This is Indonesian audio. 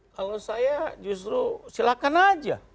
kalau saya justru silakan aja